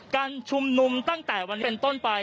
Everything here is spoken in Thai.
การชุมนุมตั้งแต่วันนี้เป็นต้นไป